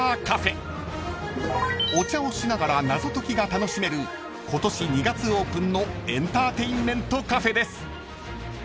［お茶をしながら謎解きが楽しめる今年２月オープンのエンターテインメントカフェです］